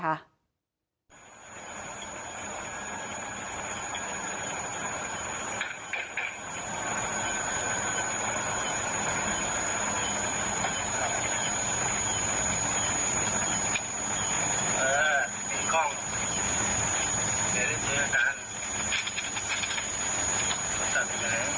ท่านคนของเจอได้จริงเหรอครับ